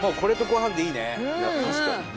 確かに。